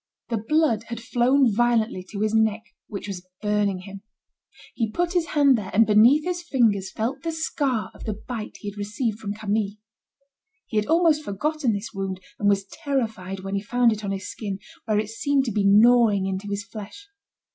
The blood had flown violently to his neck, which was burning him. He put his hand there, and beneath his fingers felt the scar of the bite he had received from Camille. He had almost forgotten this wound and was terrified when he found it on his skin, where it seemed to be gnawing into his flesh.